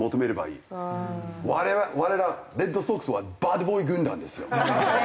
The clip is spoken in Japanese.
我らレッドソックスはバッドボーイ軍団ですよ。